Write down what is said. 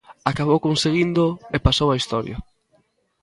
Acabou conseguíndoo e pasou á historia.